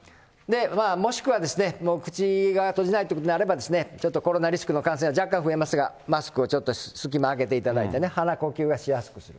もしくは口が閉じないっていうことになれば、ちょっとコロナリスクの感染が若干増えますが、マスクをちょっと隙間あけていただいてね、鼻呼吸がしやすくする。